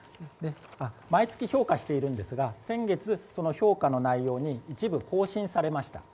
毎月評価しているんですが先月、その評価の内容が一部更新されました。